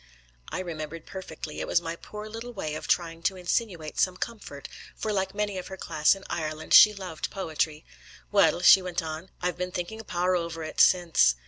I remembered perfectly; it was my poor little way of trying to insinuate some comfort, for like many of her class in Ireland, she loved poetry. 'Well,' she went on, 'I've been thinking a power over it since.